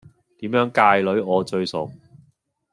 點樣界女我最熟